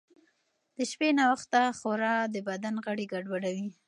د شپې ناوخته خورا د بدن غړي ګډوډوي.